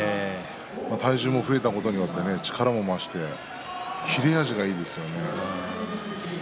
体重も増えたことによって力も増して切れ味がいいですよね。